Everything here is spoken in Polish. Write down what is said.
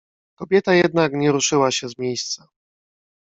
"Kobieta jednak nie ruszyła się z miejsca."